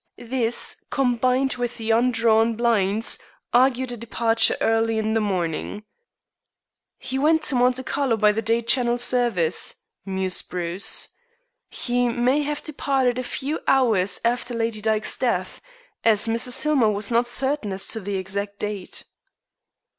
This, combined with the undrawn blinds, argued a departure early in the morning. "He went to Monte Carlo by the day Channel service," mused Bruce. "He may have departed a few hours after Lady Dyke's death, as Mrs. Hillmer was not certain as to the exact date."